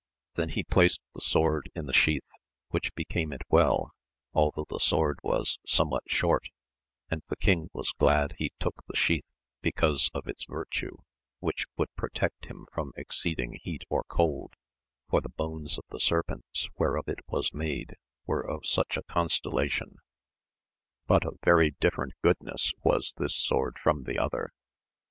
Then he placed the sword in the sheath, which became it well, although the sword was somewhat short, and the king was glad he took the sheath because of its virtue, which would protect him from exceeding heat or cold, for the bones of the serpents whereof it was made were of such a constella tion ; but of very different goodness was this sword from the other.